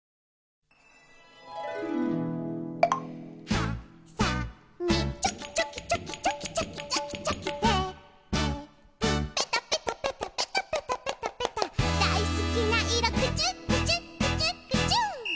「はさみチョキチョキチョキチョキチョキチョキチョキ」「テープペタペタペタペタペタペタペタ」「だいすきないろクチュクチュクチュクチュ」